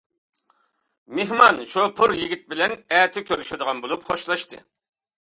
مېھمان، شوپۇر يىگىت بىلەن ئەتە كۆرۈشىدىغان بولۇپ، خوشلاشتى.